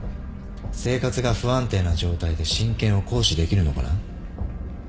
生活が不安定な状態で親権を行使できるのかな。